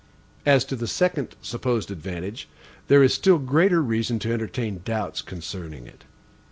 As to the second supposed advantage, there is still greater reason to entertain doubts concerning it.